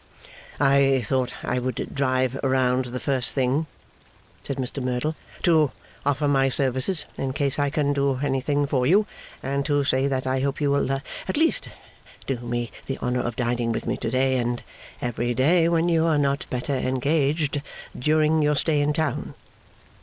'I thought I would drive round the first thing,' said Mr Merdle, 'to offer my services, in case I can do anything for you; and to say that I hope you will at least do me the honour of dining with me to day, and every day when you are not better engaged during your stay in town.